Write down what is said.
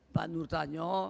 pak nur tanyo